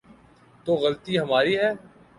تو غلطی ہماری ہے۔